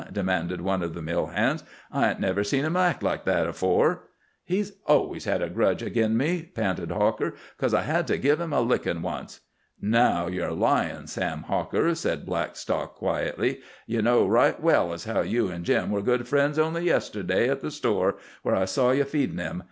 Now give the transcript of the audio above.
demanded one of the mill hands. "I ain't never seen him act like that afore." "He's always had a grudge agin me," panted Hawker, "coz I had to give him a lickin' once." "Now ye're lyin', Sam Hawker," said Blackstock quietly. "Ye know right well as how you an' Jim were good friends only yesterday at the store, where I saw ye feedin' him.